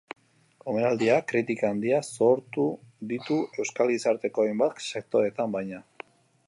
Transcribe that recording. Omenaldiak kritika handiak sortu ditu euskal gizarteko hainbat sektoretan, baina.